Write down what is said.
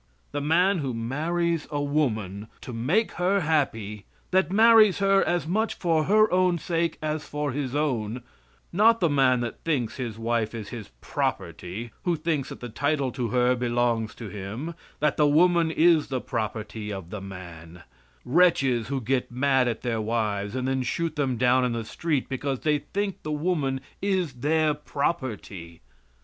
The man who marries a woman to make her happy; that marries her as much for her own sake as for his own; not the man that thinks his wife is his property, who thinks that the title to her belongs to him that the woman is the property of the man; wretches who get mad at their wives and then shoot them down in the street because they think the woman is their property.